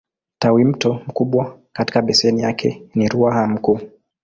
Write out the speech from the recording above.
Tawimto mkubwa katika beseni yake ni Ruaha Mkuu.